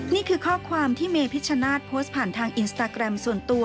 นี่คือข้อความที่เมพิชชนาธิ์โพสต์ผ่านทางอินสตาแกรมส่วนตัว